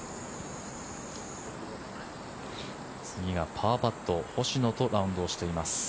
次がパーパット星野とラウンドをしています。